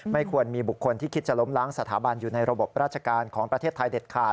ควรมีบุคคลที่คิดจะล้มล้างสถาบันอยู่ในระบบราชการของประเทศไทยเด็ดขาด